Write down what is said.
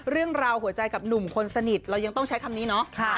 เรื่องราวหัวใจกับหนุ่มคนสนิทเรายังต้องใช้คำนี้เนาะ